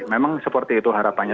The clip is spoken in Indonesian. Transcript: memang seperti itu harapannya